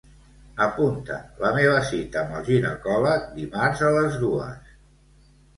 Apunta la meva cita amb el ginecòleg dimarts a les dues.